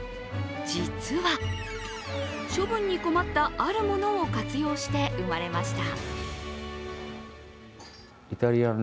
実は、処分に困ったあるものを活用して生まれました。